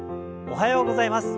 おはようございます。